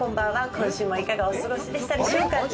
今週もいかがお過ごしでしたでしょうかって。